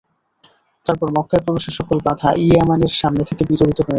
তারপর মক্কায় প্রবেশের সকল বাঁধা ইয়ামেনের সামনে থেকে বিদূরিত হয়ে গেল।